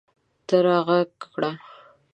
ته راږغ کړه